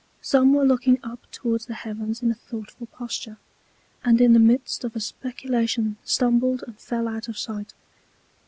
Some were looking up towards the Heavens in a thoughtful Posture, and in the midst of a Speculation stumbled and fell out of Sight.